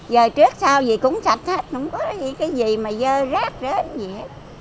giờ trước sau gì cũng sạch hết không có cái gì mà dơ rác rớt gì hết